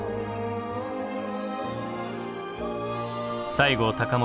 西郷隆盛